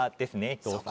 伊藤さん